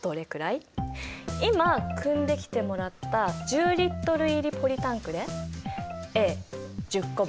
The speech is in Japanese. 今くんできてもらった１０Ｌ入りポリタンクでＡ１０個分。